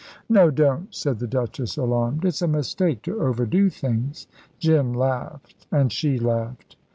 "No, don't," said the Duchess, alarmed. "It's a mistake to overdo things." Jim laughed, and she laughed.